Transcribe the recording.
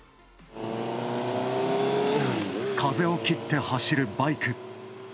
風を切って走るバイク。